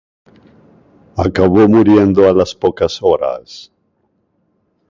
Acabó muriendo a las pocas horas.